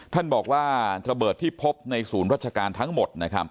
ท่านบอกว่าระเบิดที่พบในศูนย์ราชการทั้งหมด